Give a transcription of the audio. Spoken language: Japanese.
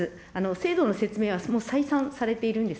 制度の説明は再三されているんです。